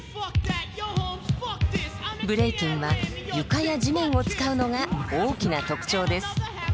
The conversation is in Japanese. ブレイキンは床や地面を使うのが大きな特徴です。